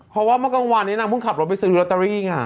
เพราะว่าเมื่อกลางวันนี้นางเพิ่งขับรถไปซื้อลอตเตอรี่ไง